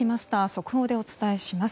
速報でお伝えします。